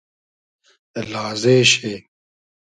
لازې شی